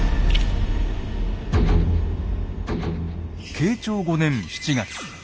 慶長５年７月。